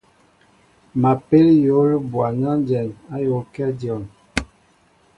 Ma pél yǒl ɓɔwnanjɛn ayōōakɛ dyon.